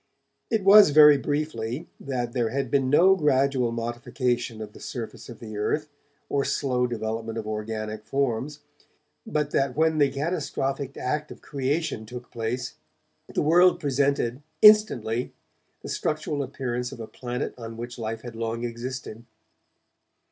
It was, very briefly, that there had been no gradual modification of the surface of the earth, or slow development of organic forms, but that when the catastrophic act of creation took place, the world presented, instantly, the structural appearance of a planet on which life had long existed.